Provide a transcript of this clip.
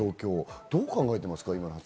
どう考えていますか。